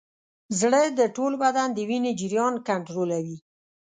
زړه د ټول بدن د وینې جریان کنټرولوي.